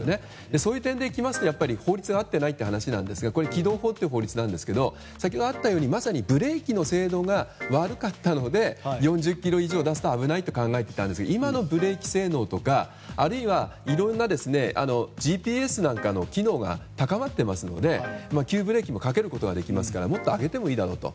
そういう視点で言うと法律が合ってないということですが先ほどあったようにブレーキの性能が弱かったので４０キロ以上を出すと危ないと考えていたんですが今のブレーキ性能やいろんなＧＰＳなどの機能が高まっていますので急ブレーキもかけることができますからもっと上げてもいいだろうと。